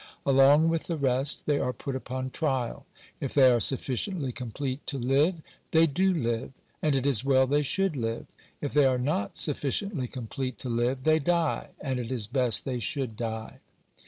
Along with the rest J they are put upon trial. If they are sufficiently complete to live, they do live, and it is well they should live. If they are not sufficiently complete to live, they die, and it is best they should die.